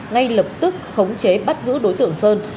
ngay lập tức khống chế bắt giữ đối tượng sơn